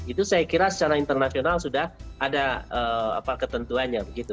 itu saya kira secara internasional sudah ada ketentuannya begitu